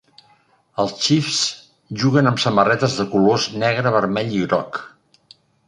Els Chiefs juguen amb samarretes de colors negre, vermell i groc.